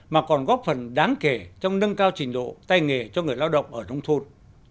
mà còn góp phần đáng kể trong nâng cao trình độ tay nghề cho người lao động ở nông thôn